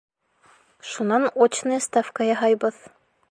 Шунан очная ставка яһайбыҙ!